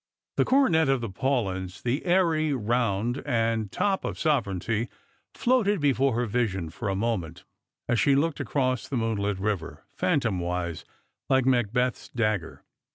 The coronet of the Paulyns, tha airy round and top of Bovereignty, floated before her vision for a moment, as she looked across the moonlit river, phantom wise, like Macbeth's dagger.